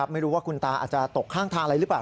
ไม่รู้ว่าคุณตาอาจจะตกข้างทางอะไรหรือเปล่า